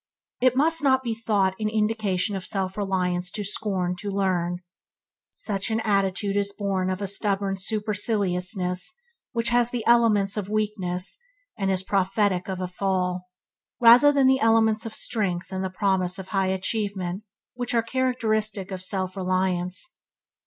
It must not be thought an indication of self reliance to scorn to learn. Such an attitude is born of a stubborn superciliousness which has the elements of weakness, and is prophetic of a fall, rather than the elements of strength and the promise of high achievement which are characteristic of self – reliance.